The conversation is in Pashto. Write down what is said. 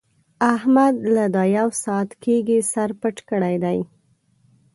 احمد له دا يو ساعت کېږي سر پټ کړی دی.